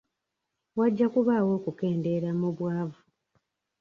Wajja kubaawo okukendeera mu bwavu.